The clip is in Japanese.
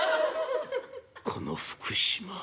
「この福島